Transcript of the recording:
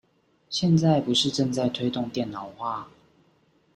現在不是正在推動電腦化？